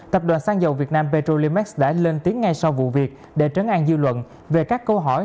tập đoàn sang dầu việt nam petrolimax đã lên tiếng ngay sau vụ việc để trấn an dư luận về các câu hỏi